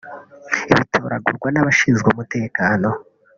bitoragurwa n’abashinzwe umutekano